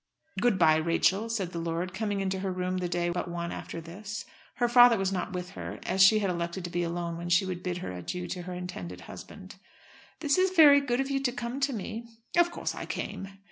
"Good bye, Rachel," said the lord, coming into her room the day but one after this. Her father was not with her, as she had elected to be alone when she would bid her adieu to her intended husband. "This is very good of you to come to me." "Of course I came."